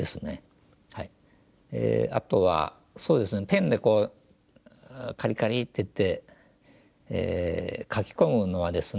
あとはそうですねペンでカリカリッて言って描き込むのはですね